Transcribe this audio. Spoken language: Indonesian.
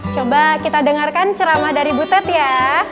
coba kita dengarkan ceramah dari butet ya